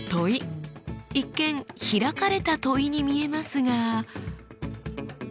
一見開かれた問いに見えますが。